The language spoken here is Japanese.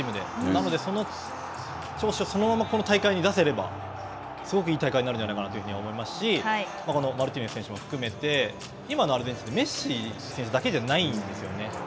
なので、その調子をそのままこの大会に出せればすごくいい大会になるんじゃないかなというふうに思いますし、このマルティネス選手も含めて、今のアルゼンチンって、メッシ選手だけじゃないんですよね。